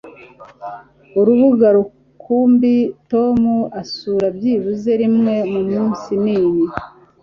urubuga rukumbi tom asura byibuze rimwe kumunsi niyi